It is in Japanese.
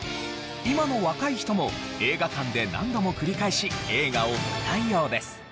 今の若い人も映画館で何度も繰り返し映画を見たいようです。